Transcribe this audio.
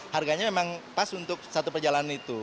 harganya memang pas untuk satu perjalanan itu